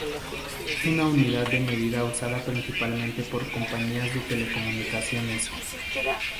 Es una unidad de medida usada principalmente por compañías de telecomunicaciones.